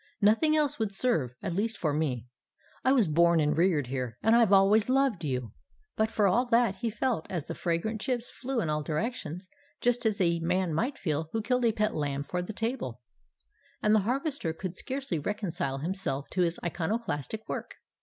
Nothing else would serve, at least for me. I was born and reared here, and I've always loved you!' But for all that, he felt, as the fragrant chips flew in all directions, just as a man might feel who killed a pet lamb for the table; and the Harvester could scarcely reconcile himself to his iconoclastic work.